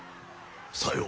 さよう。